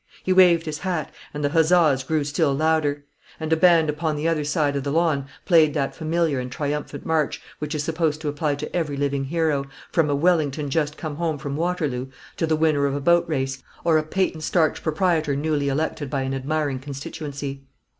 He waved his hat, and the huzzas grew still louder; and a band upon the other side of the lawn played that familiar and triumphant march which is supposed to apply to every living hero, from a Wellington just come home from Waterloo, to the winner of a boat race, or a patent starch proprietor newly elected by an admiring constituency.